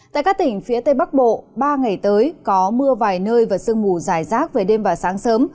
tại các tỉnh phía tây bắc bộ ba ngày tới có mưa vài nơi và sương mù dài rác về đêm và sáng sớm